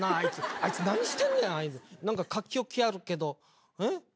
あいつ何してんねん⁉何か書き置きあるけどえっ？